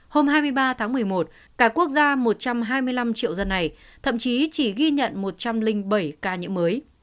hôm hai mươi ba tháng một mươi một cả quốc gia một trăm hai mươi năm triệu dân này thậm chí chỉ ghi nhận một trăm linh bảy ca nhiễm mới